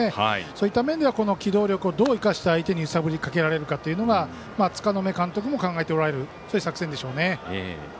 そういった面では機動力をどう生かして相手に揺さぶりをかけるかは柄目監督も考えておられる作戦でしょうね。